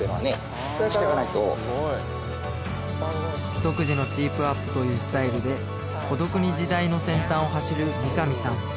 独自のチープアップというスタイルで孤独に時代の先端を走る三上さん